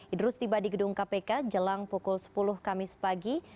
idrus tiba di gedung kpk jelang pukul sepuluh kamis pagi